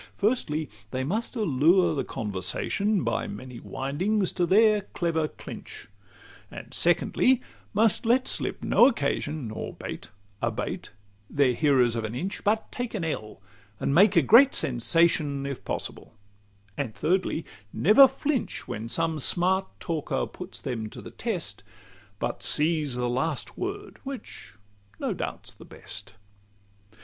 XCVIII Firstly, they must allure the conversation By many windings to their clever clinch; And secondly, must let slip no occasion, Nor bate (abate) their hearers of an inch, But take an ell and make a great sensation, If possible; and thirdly, never flinch When some smart talker puts them to the test, But seize the last word, which no doubt's the best.